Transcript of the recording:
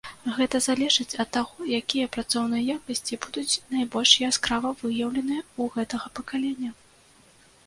Гэта залежыць ад таго, якія працоўныя якасці будуць найбольш яскрава выяўленыя ў гэтага пакалення.